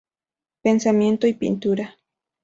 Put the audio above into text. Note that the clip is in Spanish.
Pensamiento y pintura.